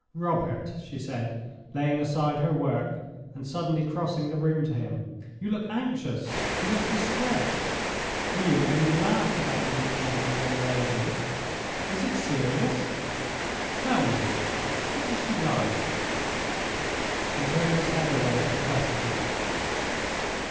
"Robert!" she said, laying aside her work, and suddenly crossing the room to him. "You look anxious, you look distressed. William only laughed about your meeting with the young lady. Is it serious? Tell me; what is she like?" He turned his head away at the question.